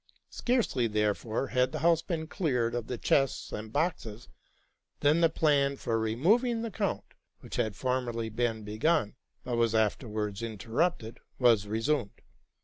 Searcely, therefore, had the house been cleared of the chests and boxes, than the plan for removing the count, which had formerly been begun, but was afterwards inter rupted, was resumed.